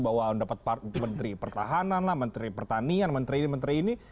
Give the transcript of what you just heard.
bahwa dapat menteri pertahanan lah menteri pertanian menteri ini menteri ini